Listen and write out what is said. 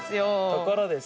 ところでさ。